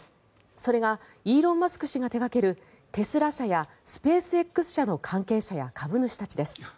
それがイーロン・マスク氏が手掛けるテスラ社やスペースＸ社の関係者や株主たちです。